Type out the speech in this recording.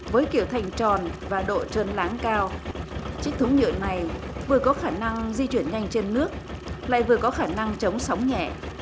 với kiểu thành tròn và độ trơn láng cao chiếc thúng nhựa này vừa có khả năng di chuyển nhanh trên nước lại vừa có khả năng chống sóng nhẹ